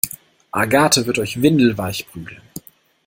Agathe wird euch windelweich prügeln!